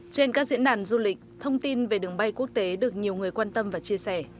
trên các diễn đàn du lịch thông tin về đường bay quốc tế được nhiều người quan tâm và chia sẻ